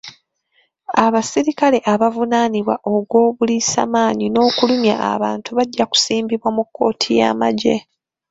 Abaserikale abavunaanibwa ogw'obuliisamaanyi n'okulumya abantu bajja kusimbwa mu kkooti y'amagye.